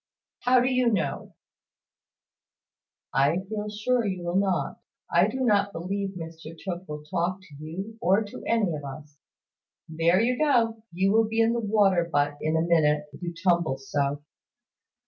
"How do you know?" "I feel sure you will not. I do not believe Mr Tooke will talk to you, or to any of us. There you go! You will be in the water butt in a minute, if you tumble so."